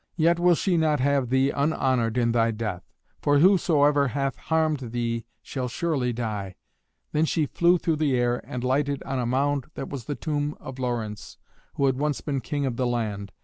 Yet will she not have thee unhonoured in thy death; for whosoever hath harmed thee shall surely die." Then she flew through the air, and lighted on a mound that was the tomb of Laurens, that had once been king of the land.